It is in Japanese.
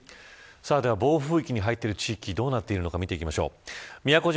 それでは暴風域に入っている地域どうなっているのか見ていきましょう。